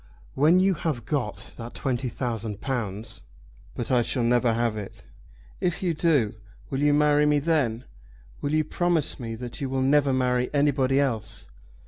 When you have got that twenty thousand pounds ?" "But I shall never have it." "If you do, will you marry me then? Will you promise me that you will never marry anybody else?"